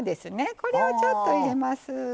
これをちょっと入れます。